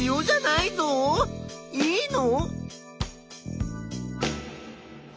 いいの？